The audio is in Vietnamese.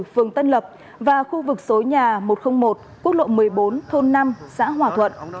phường tân lập và khu vực số nhà một trăm linh một quốc lộ một mươi bốn thôn năm xã hòa thuận